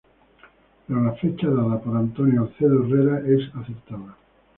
Pero la fecha dada por Antonio Alcedo Herrera, es acertada.